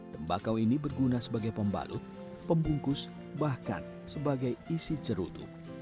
tembakau ini berguna sebagai pembalut pembungkus bahkan sebagai isi cerutu